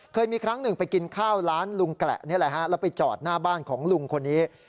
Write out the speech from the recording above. เคยมีครั้งหนึ่งไปกินข้าวร้านลุงแกละนี่แหละฮะแล้วไปจอดหน้าบ้านของลุงคนนี้